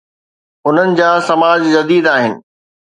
انهن جا سماج جديد آهن.